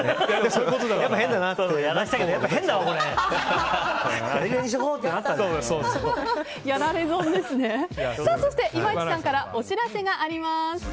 そして今市さんからお知らせがあります。